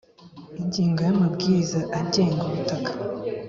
ingingo ya amabwiriza agenga ubutaka